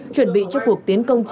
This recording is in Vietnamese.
chuẩn bị cho cuộc tiến công